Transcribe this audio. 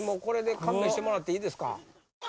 これで勘弁してもらっていいですか？